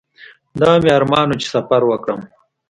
دا مې ارمان و چې سفر وکړم.